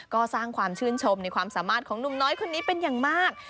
ก็สร้างความชื่นชมในความสามารถของหนุ่มน้อยคนนี้เป็นอย่างมาก